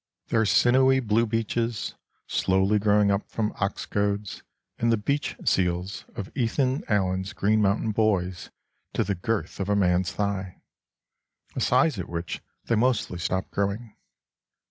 There are sinewy blue beeches, slowly grown up from ox goads and the "beech seals" of Ethan Allen's Green Mountain Boys to the girth of a man's thigh, a size at which they mostly stop growing.